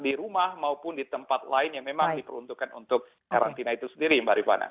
di rumah maupun di tempat lain yang memang diperuntukkan untuk karantina itu sendiri mbak rifana